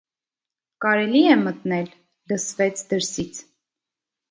- Կարելի՞ է մտնել,- լսվեց դրսից: